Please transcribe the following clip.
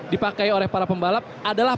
dipakai oleh para pembalap adalah